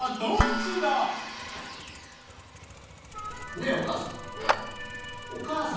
ねえお母さん。